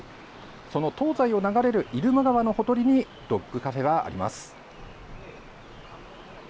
その東西を流れる入間川のほとりに、ドッグカフェがあります。